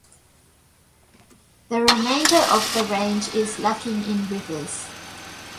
The remainder of the range is lacking in rivers.